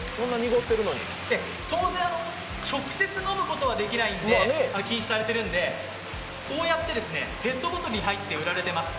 当然、直接飲むことはできない、禁止されてるんで、こうやってペットボトルに入って売られています。